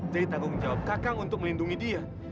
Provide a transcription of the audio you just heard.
jadi tanggung jawab kakang untuk melindungi dia